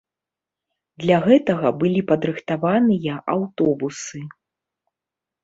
Для гэтага былі падрыхтаваныя аўтобусы.